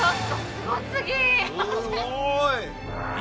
すごい！！